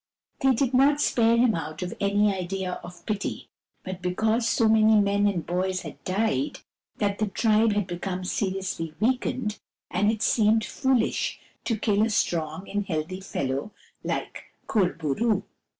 They did not spare him out of any idea of pity ; but because so many men and boys had died that the tribe had become seriously weakened, and it seemed foolish to kill a strong and healthy fellow like Kur bo roo.